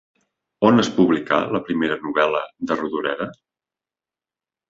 On es publicà la primera novel·la de Rodoreda?